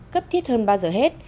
cấp thiết hơn bao giờ hết